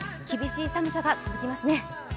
厳しい寒さが続きますね。